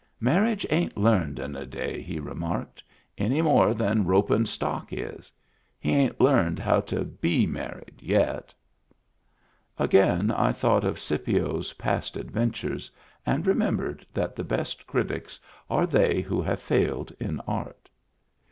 " Marriage ain't learned in a day," he remarked, "any more than ropin' stock is. He ain't learned how to be married yet." Again I thought of Scipio's past adventures and remembered that the best critics are they who have failed in art.